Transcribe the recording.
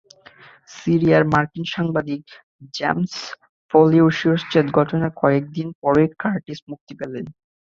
সিরিয়ায় মার্কিন সাংবাদিক জেমস ফলিওর শিরশ্ছেদের ঘটনার কয়েক দিন পরই কার্টিস মুক্তি পেলেন।